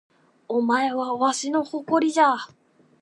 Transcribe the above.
お前はわしの誇りじゃ